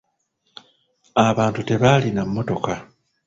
Abantu tebaalina mmotoka.